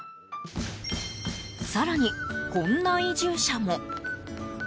更に、こんな移住者も。